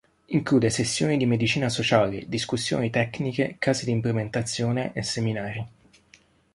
Include sessioni di medicina sociale, discussioni tecniche, casi di implementazione e seminari.